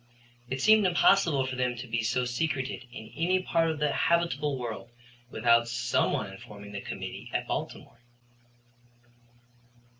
It seemed impossible for them to be so secreted in any part of the habitable world without some one informing the committee at Baltimore.